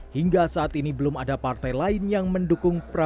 hingga saat ini belum ada partai lain yang mendukung prabowo